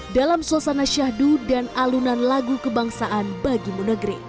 dalam suasana syahdu dan alunan lagu kebangsaan bagi munegri